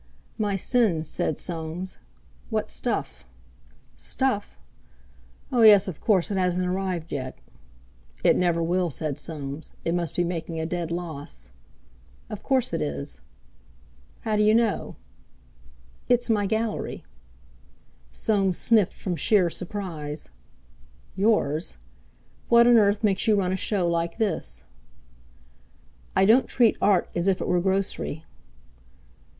"My sins," said Soames. "What stuff!" "Stuff? Oh, yes—of course; it hasn't arrived yet. "It never will," said Soames; "it must be making a dead loss." "Of course it is." "How d'you know?" "It's my Gallery." Soames sniffed from sheer surprise. "Yours? What on earth makes you run a show like this?" "I don't treat Art as if it were grocery."